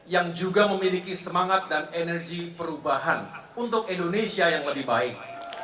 yang juga memiliki semangat dan energi perubahan untuk indonesia yang lebih baik